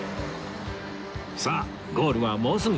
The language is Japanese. さあゴールはもうすぐ